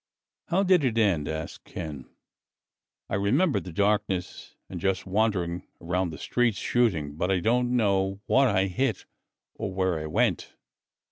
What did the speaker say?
"How did it end?" asked Ken. "I remember the darkness and just wandering around the streets shooting, but I don't know what I hit or where I went."